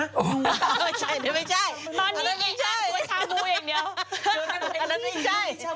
อันนี้กินชาบูอย่างเดียว